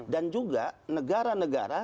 dan juga negara negara